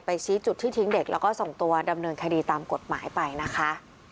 ชี้จุดที่ทิ้งเด็กแล้วก็ส่งตัวดำเนินคดีตามกฎหมายไปนะคะ